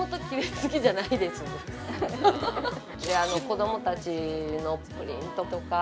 子供たちのプリントとか。